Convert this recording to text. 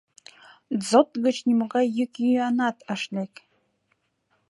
ДЗОТ гыч нимогай йӱк-йӱанат ыш лек.